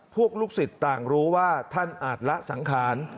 ลูกศิษย์ต่างรู้ว่าท่านอาจละสังขาร